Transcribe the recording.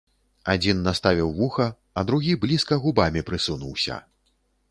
Адзін наставіў вуха, а другі блізка губамі прысунуўся.